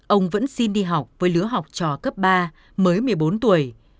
ông vẫn xin đi học với lứa học trò cấp ba mới một mươi bốn tuổi